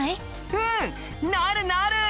うんなるなる！